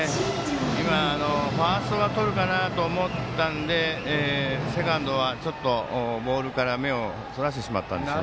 ファーストがとるかなと思ったんでセカンドはボールから、目をそらしてしまったんでしょうね。